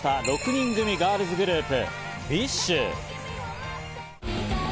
６人組ガールズグループ、ＢｉＳＨ。